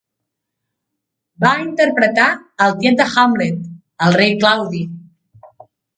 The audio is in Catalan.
Va interpretar el tiet de Hamlet, el rei Claudi.